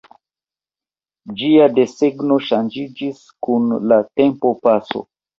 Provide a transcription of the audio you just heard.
Ĝia desegno ŝanĝiĝis kun la tempopaso.